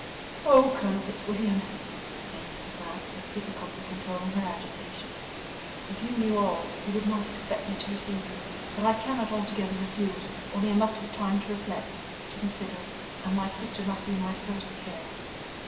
"Oh, Colonel Fitzwilliam!" exclaimed Mrs. Grant, with difficulty controlling her agitation, "if you knew all, you would not expect me to receive you; but I cannot altogether refuse, only I must have time to reflect, to consider and my sister must be my first care."